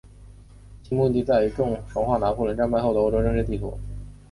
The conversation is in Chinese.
其目的在于重画拿破仑战败后的欧洲政治地图。